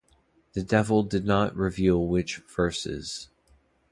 The devil did not reveal which verses.